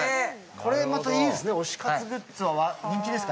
これいいですよね、推し活グッズは人気ですか？